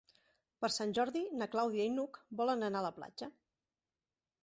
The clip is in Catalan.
Per Sant Jordi na Clàudia i n'Hug volen anar a la platja.